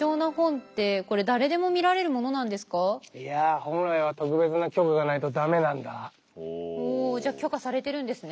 いやほうじゃあ許可されてるんですね。